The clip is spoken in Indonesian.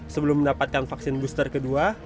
sebelum mendapatkan vaksin booster kedua